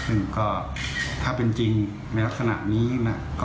ซึ่งก็ถ้าเป็นจริงในลักษณะนี้นะ